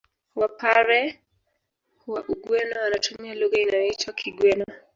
Wapare wa Ugweno wanatumia lugha inayoitwa Kigweno